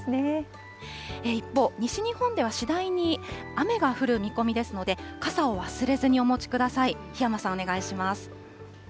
一方、西日本では次第に雨が降る見込みですので、傘を忘れずにお持ちください。